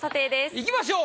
いきましょう。